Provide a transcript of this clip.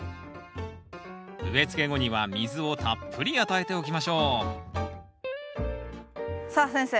植え付け後には水をたっぷり与えておきましょうさあ先生